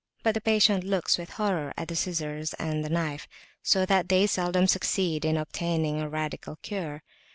But the patient looks with horror at the scissors and the knife, so that they seldom succeed in obtaining a radical cure.